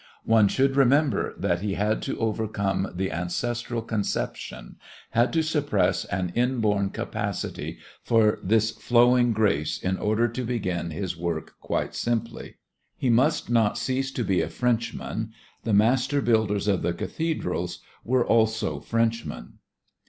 One should remember that he had to overcome the ancestral conception, had to suppress an inborn capacity for this flowing grace in order to begin his work quite simply. He must not cease to be a Frenchman; the master builders of the cathedrals were also Frenchmen.